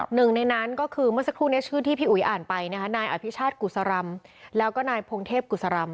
หนึ่งในนั้นก็คือเมื่อสักครู่นี้ชื่อที่พี่อุ๋ยอ่านไปนะคะนายอภิชาติกุศรำแล้วก็นายพงเทพกุศรำ